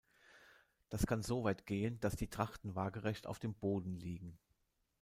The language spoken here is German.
Das kann soweit gehen, dass die Trachten waagerecht auf dem Boden liegen.